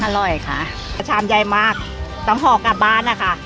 อร่อยค่ะชามใหญ่มากตำหอกกระบาทน่ะค่ะ